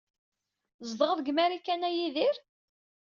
Tzedɣeḍ deg Marikan a Yidir?